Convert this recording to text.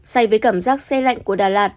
say với cảm giác xe lạnh của đà lạt